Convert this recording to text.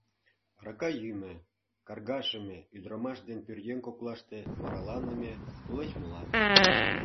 Арака йӱмӧ, каргашыме, ӱдырамаш ден пӧръеҥ коклаште вараланыме, тулеч молат.